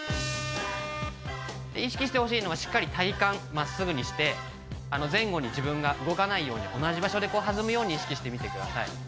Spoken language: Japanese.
意識してほしいのはしっかり体幹真っすぐにして前後に自分が動かないように同じ場所で弾むように意識してみてください。